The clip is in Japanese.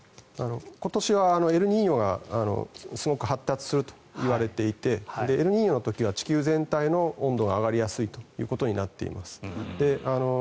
今年はエルニーニョがすごく発達するといわれていてエルニーニョの時は地球全体の温度が上がりやすいということになっています。